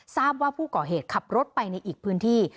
ทราบว่าผู้ก่อเหตุขับรถไปในอีกพื้นที่